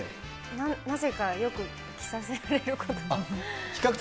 なぜか、よく着させられることが多くて。